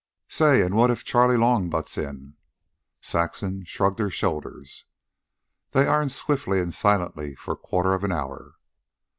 "Say, an' what if Charley Long butts in?" Saxon shrugged her shoulders. They ironed swiftly and silently for a quarter of an hour.